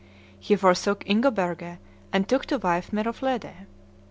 He forsook Ingoberge, and took to wife Meroflede.